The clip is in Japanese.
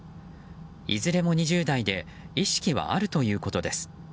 いずれも２０代で意識はあるということです。